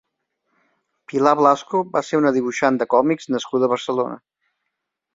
Pilar Blasco va ser una dibuixant de còmics nascuda a Barcelona.